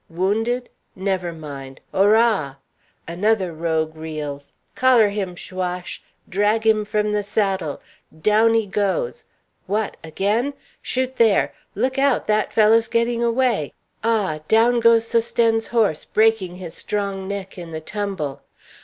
Wounded? Never mind ora! Another rogue reels! Collar him, Chaouache! drag him from the saddle down he goes! What, again? Shoot there! Look out, that fellow's getting away! Ah! down goes Sosthène's horse, breaking his strong neck in the tumble.